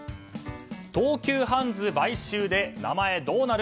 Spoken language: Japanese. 東急ハンズ買収で名前どうなる？